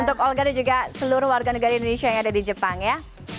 untuk olga dan juga seluruh warga negara indonesia yang ada di jepang ya